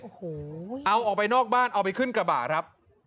โอ้โหเอาออกไปนอกบ้านเอาไปขึ้นกระบะครับ